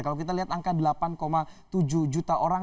kalau kita lihat angka delapan tujuh juta orang